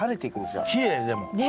きれいでも。